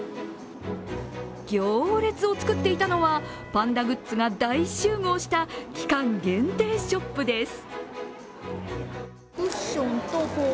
行列を作っていたのはパンダグッズが大集合した期間限定ショップです。